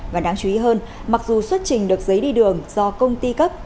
và đáng chú ý hơn mặc dù xuất trình được giấy đi đường do công ty cấp